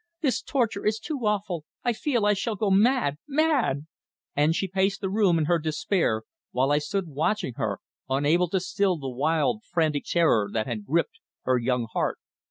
This torture is too awful. I feel I shall go mad mad!" And she paced the room in her despair, while I stood watching her, unable to still the wild, frantic terror that had gripped her young heart.